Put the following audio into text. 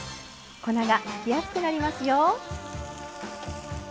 粉がふきやすくなりますよ。